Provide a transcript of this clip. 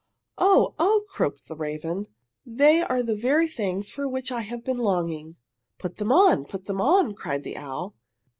"Oh, oh!" croaked the raven. "They are the very things for which I have been longing!" "Put them on! Put them on!" cried the owl.